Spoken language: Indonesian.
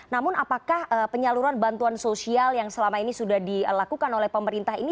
namun apakah penyaluran bantuan sosial yang selama ini sudah dilakukan oleh pemerintah ini